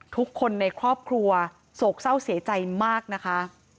ทุกคนในครอบครัวโศกเศร้าเสียใจมากนะคะ